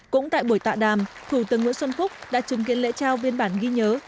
cũng tại buổi tạ đàm thủ tướng nguyễn xuân phúc đã chứng kiến lễ trao biên bản ghi nhớ